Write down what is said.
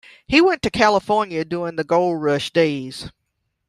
He went to California during the gold rush days.